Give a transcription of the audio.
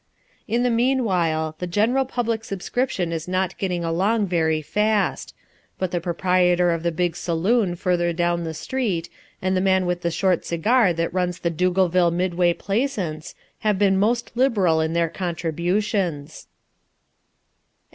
In the meanwhile the general public subscription is not getting along very fast; but the proprietor of the big saloon further down the street and the man with the short cigar that runs the Doogalville Midway Plaisance have been most liberal in their contributions.